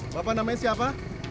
bapak namanya siapa